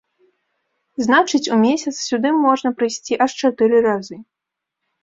Значыць у месяц сюды можна прыйсці аж чатыры разы.